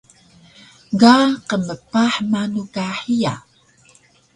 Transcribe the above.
Ga qmpah manu ka hiya?